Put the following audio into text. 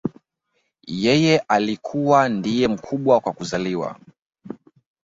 Yeye alikuwa ndiye mkubwa kwa kuzaliwa